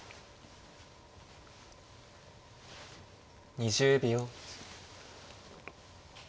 ２０秒。